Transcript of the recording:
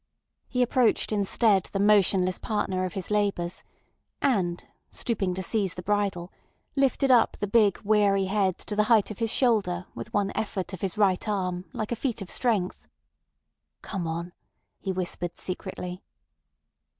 He approached instead the motionless partner of his labours, and stooping to seize the bridle, lifted up the big, weary head to the height of his shoulder with one effort of his right arm, like a feat of strength. "Come on," he whispered secretly.